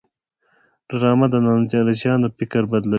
ډرامه د نندارچیانو فکر بدلوي